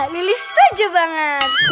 lilis setuju banget